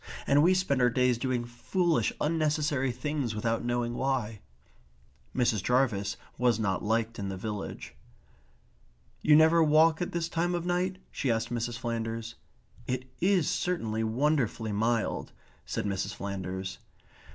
"And we spend our days doing foolish unnecessary things without knowing why." Mrs. Jarvis was not liked in the village. "You never walk at this time of night?" she asked Mrs. Flanders. "It is certainly wonderfully mild," said Mrs. Flanders.